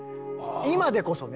今でこそね